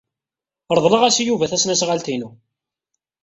Reḍleɣ-as i Yuba tasnasɣalt-inu.